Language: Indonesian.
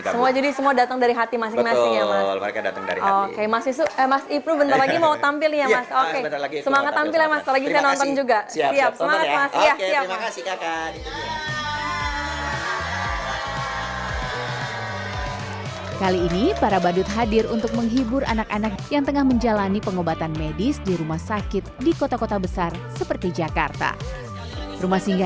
semua jadi semua datang dari hati masing masing ya mas